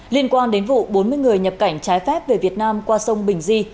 liên quan đến vụ bốn mươi người nhập cảnh trái phép về việt nam qua sông bình di